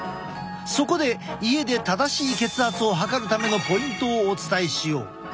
そこで家で正しい血圧を測るためのポイントをお伝えしよう。